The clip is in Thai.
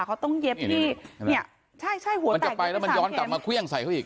เขาต้องเย็บที่เนี่ยใช่ใช่หัวมันจะไปแล้วมันย้อนกลับมาเครื่องใส่เขาอีก